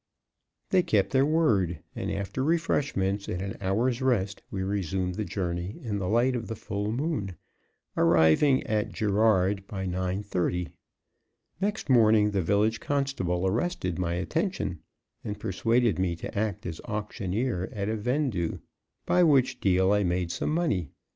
They kept their word, and after refreshments and an hour's rest, we resumed the journey in the light of the full moon, arriving at Girard by 9:30. Next morning, the village constable arrested my attention and persuaded me to act as auctioneer at a vendue; by which deal I made some money.